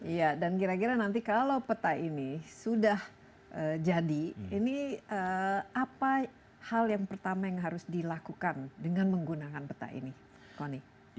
iya dan kira kira nanti kalau peta ini sudah jadi ini apa hal yang pertama yang harus dilakukan dengan menggunakan peta ini koni